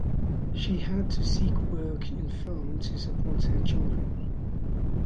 She had to seek work in film to support her children.